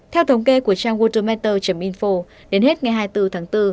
theo thống kê của trang worldermeter info đến hết ngày hai mươi bốn tháng bốn